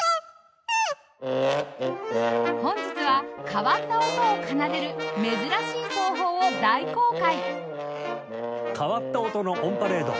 本日は変わった音を奏でる珍しい奏法を大公開！